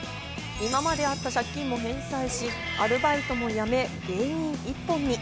今まであった借金も返済し、アルバイトも辞め、芸人一本に。